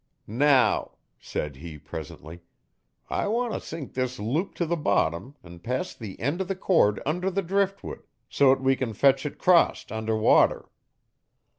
'Now,' said he presently, 'I want t' sink this loop t' the bottom an' pass the end o' the cord under the driftwood so 't we can fetch it 'crost under water.'